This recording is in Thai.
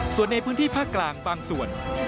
ส่วนในพื้นที่ภาคกลางบางส่วน